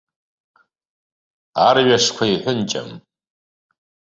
Арҩашқәа иҳәынҷам.